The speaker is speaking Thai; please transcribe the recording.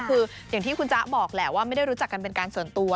คืออย่างที่คุณจ๊ะบอกแหละว่าไม่ได้รู้จักกันเป็นการส่วนตัว